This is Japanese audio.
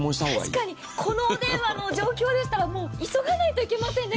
確かに、このお電話の状況でしたら、急がないといけませんね。